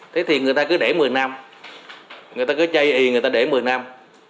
thế thì người ta cứ để một mươi năm người ta cứ chay y người ta để một mươi năm